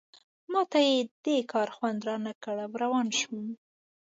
ما ته یې دې کار خوند رانه کړ او روان شوم.